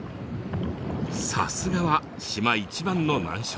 さすがは島一番の難所。